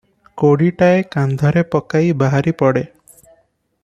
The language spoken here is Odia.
କୋଡ଼ିଟାଏ କାନ୍ଧରେ ପକାଇ ବାହାରି ପଡ଼େ ।